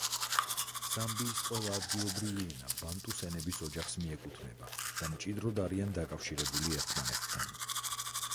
ზამბიის ყველა ადგილობრივი ენა ბანტუს ენების ოჯახს მიეკუთვნება და მჭიდროდ არიან დაკავშირებული ერთმანეთთან.